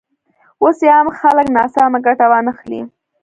اوس یې هم خلک ناسمه ګټه وانخلي.